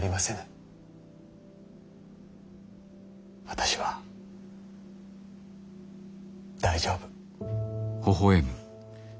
私は大丈夫。